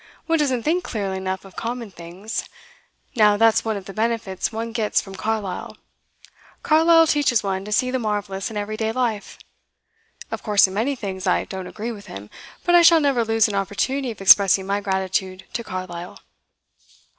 One doesn't think clearly enough of common things. Now that's one of the benefits one gets from Carlyle. Carlyle teaches one to see the marvellous in everyday life. Of course in many things I don't agree with him, but I shall never lose an opportunity of expressing my gratitude to Carlyle.